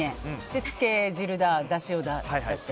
つけ汁だ、だしだって。